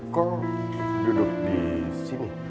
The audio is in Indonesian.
kok duduk di sini